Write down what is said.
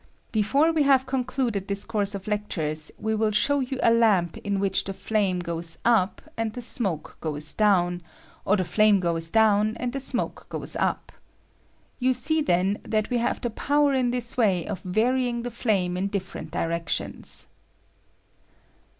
Before we have cou cluded this course of lectures we shall show you a lamp in which the flame goes up and the smoke goes down, or the flame goes down and the smoke goes up. You see, then, that we have the power in this way of varying the flame in different directions.